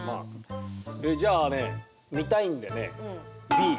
えじゃあね見たいんでねＢ。